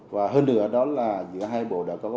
và hơn nữa đó là giữa hai bộ đã có